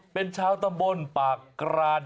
เป็นชาวตำบลปากกราน